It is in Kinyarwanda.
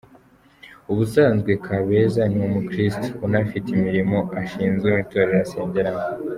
Ubusanzwe Kabeja ni umukirisitu unafite imirimo ashinzwe mu itorero asengeramo.